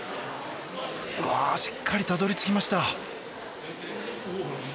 しっかりたどり着きました。